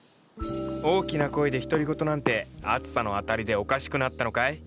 大きな声で独り言なんて暑さのあたりでおかしくなったのかい？